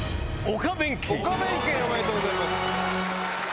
おめでとうございます。